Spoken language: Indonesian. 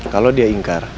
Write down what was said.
kalau dia ingkar